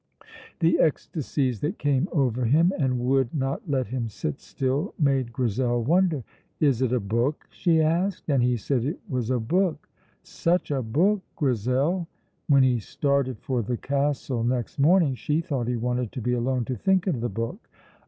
The ecstasies that came over him and would not let him sit still made Grizel wonder. "Is it a book?" she asked; and he said it was a book such a book, Grizel! When he started for the castle next morning, she thought he wanted to be alone to think of the book.